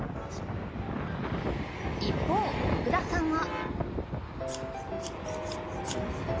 一方、福田さんは。